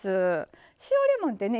塩レモンってね